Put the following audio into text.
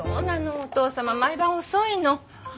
お父様毎晩遅いの。